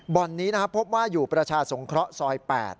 นี้นะครับพบว่าอยู่ประชาสงเคราะห์ซอย๘